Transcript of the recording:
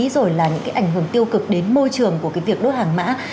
rồi là những cái ảnh hưởng tiêu cực đến môi trường của cái việc đốt hàng mã